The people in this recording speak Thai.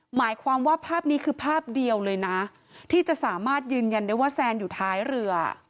หมายความว่าภาพนี้คือภาพเดียวเลยนะที่จะสามารถยืนยันได้ว่าแซนอยู่ท้ายเรือ